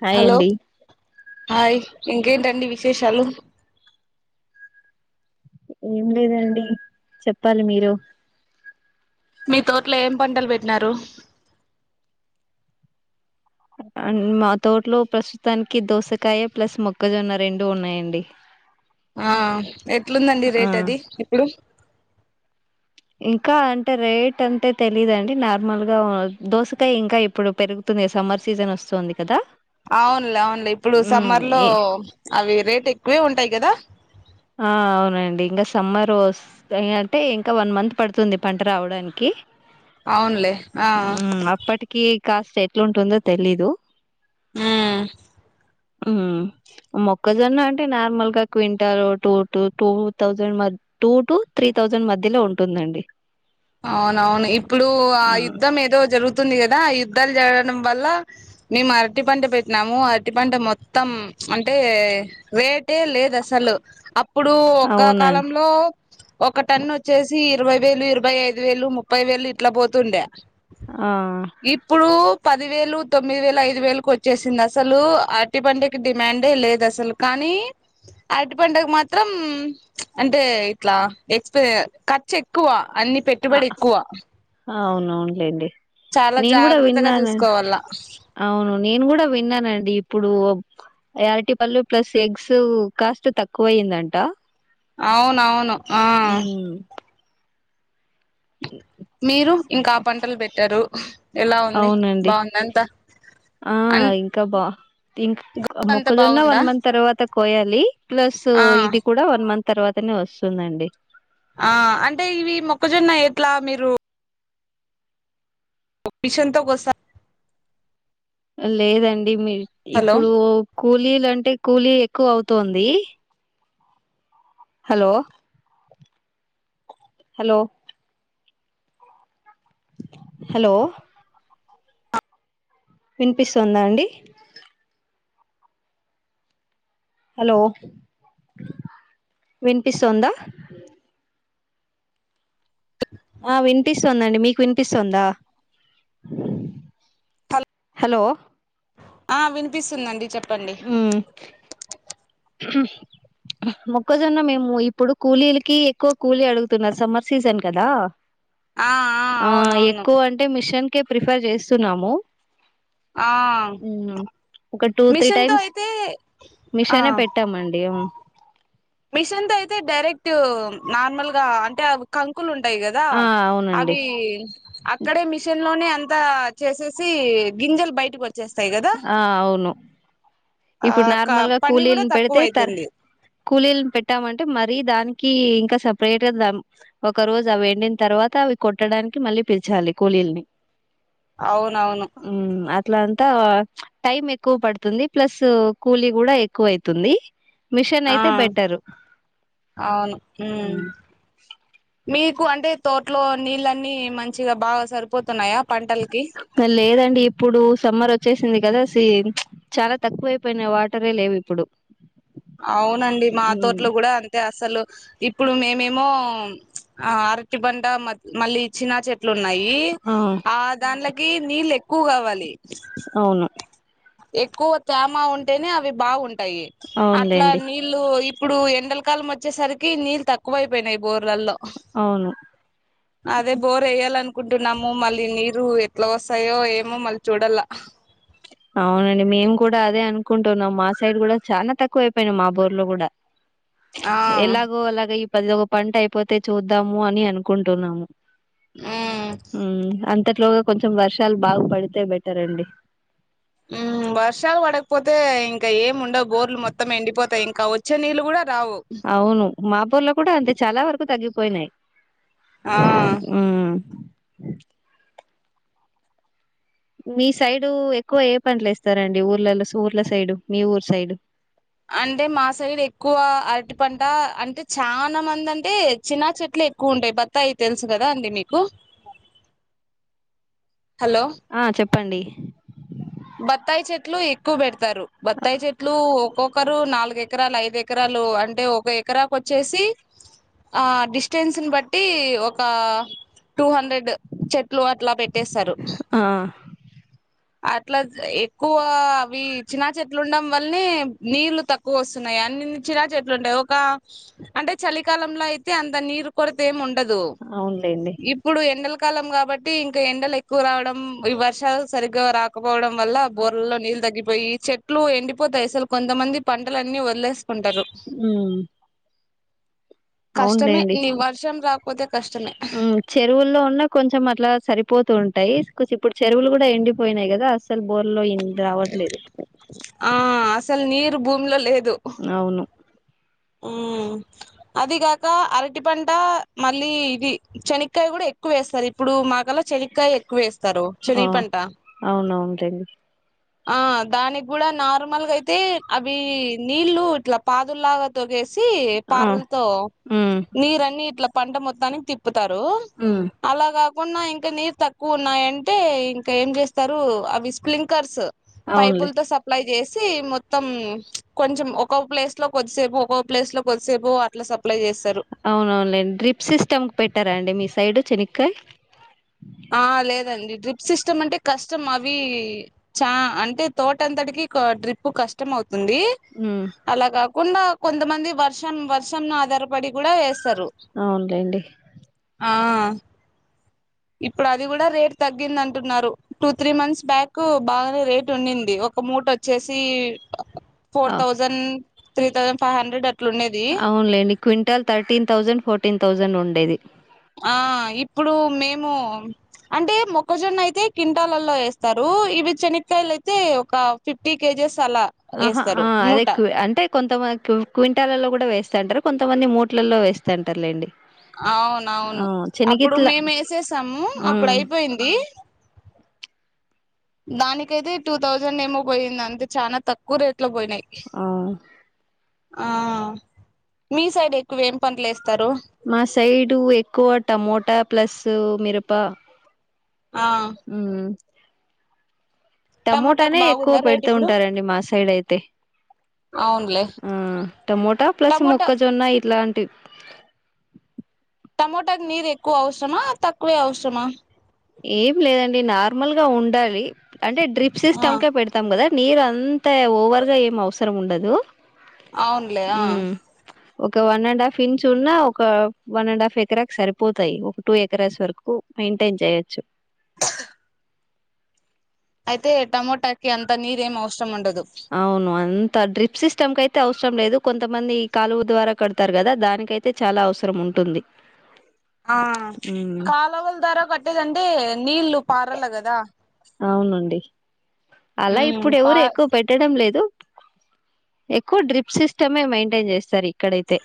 Hi hello అండి hi ఇంకేంటండి విశేషాలు ఏం లేదండి చెప్పాలి మీరు మీ తోట్లో ఏం పంటలు బెట్టినారు మా తోటలో ప్రస్తుతానికి దోసకాయ ప్లస్ మొక్కజొన్న రెండు ఉన్నాయండి ఆ ఎట్లుందండి ఆ రేట్ అది ఇప్పుడు ఇంకా అంటే రేట్ అంటే తెలిదండి నార్మల్ గా దోసకాయ ఇంకా ఇప్పుడు పెరుగుతు తుంది సమ్మర్ సీజన్ వస్తుంది కదా అవునులే అవునులే ఇప్పుడు ఉమ్ సమ్మర్ లో ఏ అవి రేట్ ఎక్కువే ఉంటాయి గదా ఆ అవునండి ఇంకా సమ్మర్ వస్తే అంటే ఇంకా వన్ మంత్ పడుతుంది పంట రావడానికి అవునులే ఆ ఉమ్ అప్పటికి కాస్ట్ ఎట్లుంటుందో తెలీదు ఉమ్ ఉమ్ మొక్కజొన్న అంటే నార్మల్ గా quintal two to two thousand two to three thousand మధ్యలో ఉంటుందండి అవునవును ఇప్పుడు ఆ హ్మ్ యుద్ధం ఏదో జరుగుతుంది గదా యు ద్దాలు జరగడం వల్ల మేము అరటి పంట పెట్టినాము అరటి పంట మొత్తం అంటే వేటే లేదు అసలు అ అప్పుడు ఒకా అవునండి కాలంలో ఒక టన్ వచ్చేసి ఇరవై వేలు ఇరవై ముప్పై ఐదు వేలు ముప్పై వేలు ఇట్లా పోతుండే ఆ ఇప్పుడు పది వేలు తొమ్మిది వేలు ఐదు వేలుకి వచ్చేసింది అసలు అరటి పండకి డిమాండే లేదు అసలు కానీ కానీ అరటి పంటకు మాత్రం అంటే ఇట్లా ఎక్స్ప ఖర్చు ఎక్కువ అన్ని అ పెట్టుబడి ఎక్కువ అవునవునులేండి చాలా నేను గూడా జాగ్రత్తగా విన్నాను చూసుకోవాల అవును నేను గూడా విన్నానండి ఇప్పుడు అయి అరటి పళ్ళు ఎగ్స్ కాస్ట్ తక్కువైందంటా అవునవును ఆ మీరు ఇంకా ఆ పంటలు బెట్టారు ఎలా ఉంది అవునండి. బాగుంద అంతా ఆ అన్ ఇంకా బా ఇంకా అంతా మొక్కజొన్న బాగుందా వన్ మంత్ తర్వాత కోయాలి ప్లస్ ఆ ఇది కూడా వన్ మంత్ తర్వాతనే వస్తుందండి ఆ అంటే ఇవి మొక్కజొన్న ఎట్లా మీరు మిషన్తో కోస్తా లేదండి మీ హలో ఇప్పుడు కూలీలు అంటే కూలీ ఎక్కువ అవుతుంది హలో హలో హలో వినిపిస్తుందా అండి హలో వినిపిస్తుందా ఆ వినిపిస్తుందండి మీకు వినిపిస్తుందా హలో హలో ఆ వినిపిస్తుందండి చెప్పండి మ్మ్ [inaudible] మొక్కజొన్న మేము ఇప్పుడు కూలీలకి ఎక్కువ కూలీ అడుగుతున్నారు సమ్మర్ సీజన్ కదా ఆ ఆ అవునవును ఎక్కువ అంటే మిషన్ కె ప్రిఫర్ చేస్తున్నాము ఆ మ్మ్ ఒక టూ త్రీ మిషన్ తో టైమ్స్ అయితే ఆ మిషానే పెట్టామండి మిషన్ తో అయితే డైరెక్ట్ నార్మల్ గా అంటే కా కంకులు ఉంటాయి కదా ఆ అవునండి అవి అక్కడే మిషన్ లోనే అంతా చేసేసి గింజలు బయటకి వ ఆహా అవును ఆ ఇప్పుడు నార్మల్ గా పని కూడా కూలీని తక్కువ పెడితే తర అయితుంది కూలీలు పెట్టామంటే మరీ దానికి ఇంకా సపరేట్ గా ఒక రోజు అవి వెండిన తర్వాత అవి కొట్టడం దానికి మళ్ళీ పిలిచాలి కూలీల్ని అవునవును మ్ అట్లా అంతా టైమ్ ఎక్కువ పడుతుంది ప్లస్ కూలీ కూడా ఎక్కువ అవుతుంది మిషన్ ఆ అయితే బెటరు అవును హు ఉమ్. మీకు అంటే తోటలో నీళ్ల అన్నీ మంచిగా బాగా సరిపోతున్నాయా పంటలకి లేదండి ఇప్పుడు సమ్మర్ వచ్చేసింది సే కదా అ చాలా తక్కువైపోయినా వాటరే లేవు ఇప్పుడు అవునండి మా హ్మ్. తోట్లో కూడా అంతే అసలు ఇ ఇప్పుడు మేమేమో అరటి బండ మళ్ళీ ఇచ్చినా చె చేట్లు ఉన్నాయి ఆ దానిలోకి నీళ్ళు ఎక్కువ కావాలి అవును ఎక్కువ తేమ ఉంటేనే అవి బాగుంటాయి అట్లా అవునులేండి నీళ్ళు ఇప్పుడు ఎండలకాలం వచ్చేసరికి నీళ్లు తక్కువైపోయినాయి బోర్లలో అవును అదే బోర్ ఏయ్యాలను అనుకుంటున్నాము మళ్ళీ నీరు ఎట్లా వస్తాయో ఏమో మళ్ళీ చూడాల అవునండి మేము కూడా అదే అనుకుంటున్నాం మా సైడ్ కూడా చానా తక్కువ అయిపోయినాయి మా బోర్ లో కూడా ఆ ఎలాగో అలాగ ఈ పది ఒక పంట అయిపోతే చూద్దాము అని అనుకుంటున్నాము ఉమ్ హు అంతట్లోగా కొంచెం వర్షాలు బాగా పడితే బెటర్ అండి అయితే ఇంకా ఏం ఉండవు బోర్లు మొత్తం ఎండిపోతాయి ఇంకా వచ్చే నీళ్ళు కూడా రావు అవును మా బోర్లు కూడా అంతే చాలా వరకు తగ్గిపోయినాయి ఆ మ్మ్ [unintelligible] మీ సైడు ఎక్కువ ఏ పంటలు ఇస్తారండి ఊర్లలో ఊర్ల సైడు మీ ఊరు సైడు అంటే మా సైడ్ ఎక్కువ అరటి పంట అంటే చాలా మంది అంటే చిన్న చెట్లు ఎక్కువ ఉంటాయి బత్తాయి తెలుసు కదా అండి మీకు హలో ఆ చెప్పండి బత్తాయి చెట్లు ఎక్కువ పెడతారు బత్తాయి చెట్లు ఒక్కొక్కరు నాలుగ ఎకరాలు ఐదు ఎకరాలు లు అంటే ఒక ఎకరాకు వచ్చేసి ఆ డడిస్టెన్స్ బట్టి ఒక టూ హండ్రెడ్ చెట్లు అట్లా పెట్టేస్తారు ఆ ఇట్లా ఎక్కువ అవి చినా చెట్లు ఉండడం వల్లనే నీళ్లు తక్కువ వస్తున్నాయి అన్ని చిరా చెట్లు ఉంటాయి ఒక అంటే చలికాలంలో అయితే అంత నీరు కొరత ఏమి ఉండ ఉండదు అవునులేండి ఇప్పుడు ఎండల కాలం కాబట్టి ఇంకా ఎండలు ఎక్కువ రావడం ఈ వర్షాలు సరిగ్గా రా కపోవడం వల్ల బోర్లల్లో నీళ్ళు తగ్గిపోయి చెట్లు ఎండిపోతాయి అసలు కొంతమంది పంటలన్నీ వదిలేస్త కొంటరు మ్మ్ కష్టమే నిక్ వర్షం రాపోతే ఆ చెరువుల్లో ఉన్న కొంచెం అట్లా సరిపోతు టుఉంటాయి ఇప్పుడు చెరువులు కూడా ఎండిపోయినాయి కదా అసలు బోర్ లోయింది రావట్లేదు ఆ అసలు నీరు భూమిలో లే అవును మ్మ్ అది కాక అరటి పంట మళ్ళీ ఇది శనకాయ కూడా ఎక్కువ వేస్తారు ఇప్పుడు మాకలా చెనకాయ ఎక్కువ వేస్తారు ఆ చెలివి పంట అవునవునులేండి ఆ దానికి కూడా నార్మల్గా అయితే అవి నీళ్లు ఇట్లా పాదుల్లాగా తోగేస్త ఆ పారలతో ఉమ్ నీరున్ని ఇట్లా పంట మొత్తానికి తిప్పు ప్పుతారు అలాగా తకున్నా ఇంకా నీరు తక్కువ ఉన్నాయంటే ఇంకా ఏం చేస్తారు అవి స్ప్లింకర్స్ అవునులే పైపులతో సప్లై చేస్ సి మొత్తం కొంచం ఒక ప్లేస్ లో కొద్దిసేపు ఒకోకో ప్లేస్ లో కొద్దిసేపు అట్లా సప్లై చేస్తారు అవునవునండి డ్రిప్ సిస్టమ్ పెట్టారాండి మీ సైడు శనకాయ ఆ లేదండి డ్రిప్ సిస్టమ్ అంటే కష్టం అవి చా అంటే తోటంతటికి కి డ్రిప్ కష్టం అవుతుంది ఉమ్ ఉంది అలా కాకుండా కొంతమంది వర్షం వర్షం ను ఆధారపడి కూడా వే స్తారు అవునులేండి ఆ ఇప్పుడు అది కూడా రేట్ తగ్గింది అంటున్నారు టూ త్రీ మంత్స్ బ్యాక్ బాగానే రేట్ ఉందింది ఒక మూట్ వచ్చేసి ఫోర్ ఆ thousand three thousand five hundred అట్లా అవునులేండి quintal thirteen thousand fourteen thousand ఉండేది ఆ ఇప్పుడు మేము అంటే మొక్కజొన్న అయితే కింటాలలో వేస్తారు ఇవి శనక్కయలు అయితే ఒక ఫిఫ్టీ కేజీస్ ఆహా ఆ అదే అంటే కొంతమంది క్వింటాలలో కూడా వేస్తంటారు కొంతమంది మూట్లలో వేస్తంటారులేండి అవునవును ఆ అప్పుడు చెనిగిట్ల మేము వేసేసాము అప్పుడు ఉమ్ అయిపోయింది దానికైతే టూ థౌజండ్ ఏమో పోయింది అంటే చాలా తక్కువ రేట్ లో పోయినాయి ఆ ఆ మీ సైడ్ ఎక్కువ ఏం పంటలు వేస్తారు మా సైడు ఎక్కువ టమోటా ప్లస్ మిరప ఆ ఉమ్ టమోటాకు టమోటానే ఎక్కువ బాగుందా రేట్ పెడుతూ ఇప్పుడు ఉంటారండి మా సైడ్ అయితే అవునులే ఆ టమోటా ప్లస్ టమోటా మొక్కజొన్న ఇట్లాంటివి టమోటాకి నీరు ఎక్కువ అవసరమా తక్కువే అవసరమా ఏం లేదండి నార్మల్ గా ఉండాలి అంటే డ్రిప్స్ ఆ సిస్టమ్కే పెడతాం కదా నీరు అంత ఓవర్గా ఏం అవసరం ఉండదు అవునులే ఆ మ్మ్ ఒక వన్ అండ్ హాఫ్ ఇంచ్ ఉన్నా ఒక వన్ అండ్ హాఫ్ ఎకరా సరిపోతాయి ఒక టూ ఎకరాస్ వరకు మైయింటైన్ చేయ అయితే టమోటాకి అంత నీరేం అవసరం ఉండదు అవును అంత డ్రిప్స్ సిస్ స్టమ్ అయితే అవసరం లేదు కొంతమంది ఈ కాలువ ద్వారా కడతారు కదా దానికైతే చాలా అవసరం ఉంటుంది ఆ మ్మ్ కాలువలు దారా కట్టేది అంటే నీళ్ళు పారల్ల కదా అవునండి అలా ఇప్పుడు పా ఎవరు ఎక్కువ పెట్టడం లేదు ఎక్కువ డ్రిప్ సిస్టమే మెయింటైన్ చేస్తారు ఇక్కడైతే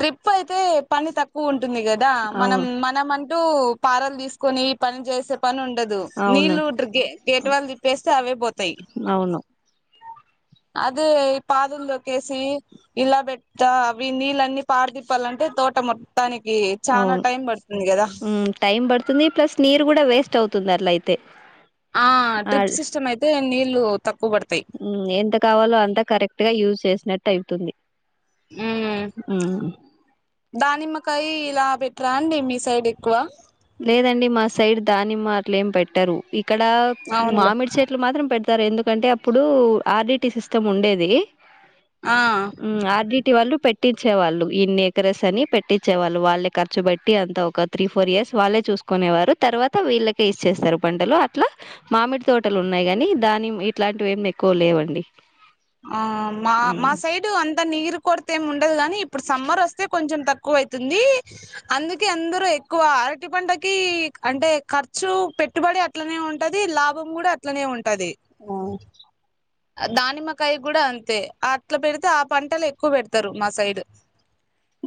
డ్రిప్ అయితే పని తక్కువ ఉంటుంది కదా మనం అవును మనమం టు పారలు తీసుకొని పని చేసే పని ఉండదు అవును నీళ్లు గేటు వాళ్ళు తిప్పేస్తే అవే పోతాయి అవును అదే పాదులు తొక్కేసి ఇలా పెట్ట అవి నీళ్ళన్నీ పారదిిప్పాలంటే తోట మొ అవును టైమ్ పడుతుంది. ప్లస్ నీరు కూడా వేస్ట్ అవు తుంది అట్లయితే ఆ డ్రిప్ సిస్టమ్ అయితే నీళ్ళు తక్కు ఎంత కావాలో అంత కరెక్ట్ గా యూజ్ చేసినట్టు అవుతుంది మ్మ్ దానిమ్మ క్ కాయి ఇలా ఇట్లాంటివి మీ సైడ్ ఎక్కువ లేదండి మా సైడ్ దానిమ్మ అట్లేం పెట్టరు ఇక్కడ అవునులే మామిడి చెట్లు మాత్రం పెట్ట రు ఎందుకంటే అప్పుడు ఆర్ డి టి సిస్టమ్ ఉండేది ఆ మ్మ్ ఆర్ డి టి వాళ్ళు పెట్ ట్టించే వాళ్ళు ఇన్ని ఎకరస్ అని పెట్టించే వాళ్ళు వాళ్ళే ఖర్చు పెట్టి అంతా ఒక త్రీ, ఫోర్ ఇయర్స్ వాళ్ళే చూసుకునేవారు తర్వాత వీళ్ళకే ఇచ్చేస్తారు పంటలు అట్లా మామిడి తోటలు ఉన్నాయి కాని దా నిమ్మ ఇట్లాంటివి ఏం ఎక్కువ లేవండి ఆ మా మా మ్మ్ సైడు అంత నీరు కొరత ఏమి ఉండదు గానీ, ఇప్పుడు సమ్మర్ వస్తే కొంచెం తక్కువ అయితుంది అందుకే అందరూ ఎక్కువ అరటి పంటకి అంటే ఖర్చు పెట్టుబడి అట్లనే ఉంటది, లాభం కూడా అట్లనే ఉం అవును దానిమ్మకాయ కూడా అంతే అట్లా పెడితే ఆ పంటలు ఎక్కువ పెడతారు మా సైడ్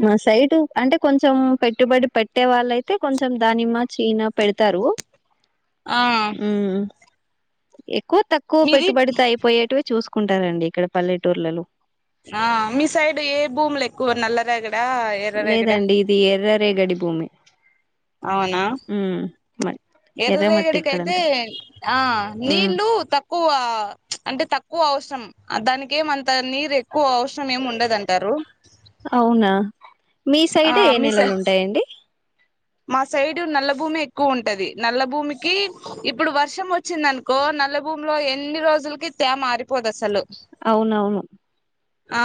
మా సైడ్ అంటే కొంచెం పెట్టుబడి పెట్టే వాళ్ళయితే కొంచెం దానిమ్మ, చీనా పెడతా రూ ఆ మ్మ్ ఎక్కువ, తక్కువ మీది పెట్టుబడితో అయిపోయేటివి చూసు కుంటారండి ఇక్కడ పల్లెటూర్లలో ఆ మీ సైడు ఏ భూములు ఎక్కువ నల్లరేగ లేదండి ఇది ఎర్ర రేగడి భూమి అవునా మరి ఎర్రరేగడికైతే ఆ ఉమ్ నీళ్లు తక్కువ అంటే తక్ క్కువ అవసం దానికి ఏమంత నీరు ఎక్కువ అవసరం ఏమి ఉండదంటారు అవునా మీ ఆ సైడ్ ఏ మీ సై నేలలు ఉంటాయండి మా సైడ్ నల్లభూమి ఎక్కువ ఉంటది. నల్ల భూమికి ఇప్పుడు వర్షం వచ్చిందనుకో నల్ల భూమిలో ఎన్ని రోజులకి తేమ ఆరిపోదు అసలు అవునవును ఆ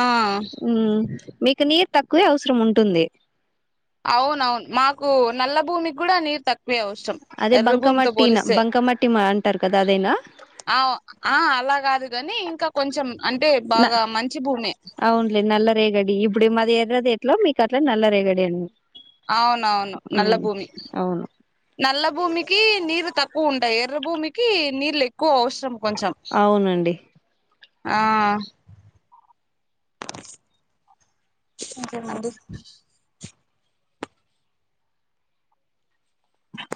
మ్మ్ మీకు నీరు తక్కువే అవసరం ఉంటుంది అవునవును మాకు నల్ల భూమికి కూడా నీరు తక్ క్కువే అవసరం అదే ఎర్ర భూమితో బంకమట్టి న- పోలిస్తే బంకమట్టి మ- అంటారు కదా అదేనా ఆ ఆ అలా కాదు కాని ఇంకా కొంచెం అంటే న బాగా మంచి భూమి అవున్లే నల్ల రేగడి ఇ ఇప్పుడు మాది ఎర్రది ఎట్లో మీకు అట్లా నల్ల రేగడి అండి అవునవును నల్ల ఉమ్ భూమి అవును నల్ల భూమికి నీరు తప్ క్కువ ఉంటాయి ఎర్ర భూమికి నీళ్లు ఎక్కువ అవసరం కొంచెం అవునండి ఆ [inaudible]